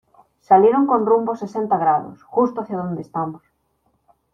salieron con rumbo sesenta grados, justo hacia donde estamos.